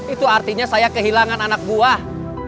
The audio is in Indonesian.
itu artinya saya kehilangan anak buah